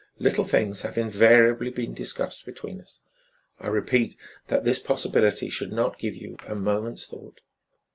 Little things have invariably been discussed between us. I repeat that this possibility should not give you a moment's thought."